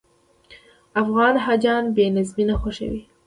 افغان حاجیان بې نظمي نه خوښوي.